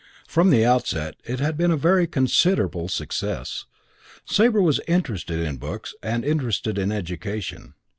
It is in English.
From the outset it had been a very considerable success. Sabre was interested in books and interested in education.